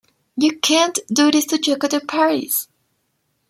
You can't do this to Jocko De Paris!